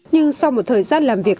nhưng sau một thời gian làm việc